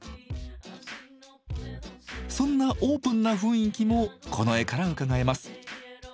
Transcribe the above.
そんなオープンな雰囲気もこの絵からうかがえます。